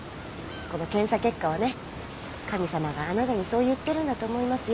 この検査結果はね神様があなたにそう言ってるんだと思いますよ。